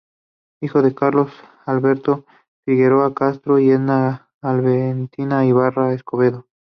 Hijo de Carlos Alberto Figueroa Castro y Edna Albertina Ibarra Escobedo.